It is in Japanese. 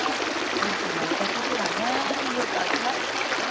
恵里ちゃんがいた時はねよく集まってたけど。